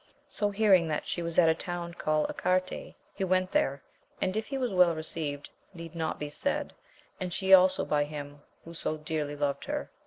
So hearing that she was at a town called Arcarte he went there, and if he was well received need not be said, and she also by him who so dearly loved her.